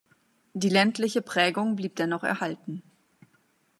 Die ländliche Prägung blieb dennoch erhalten.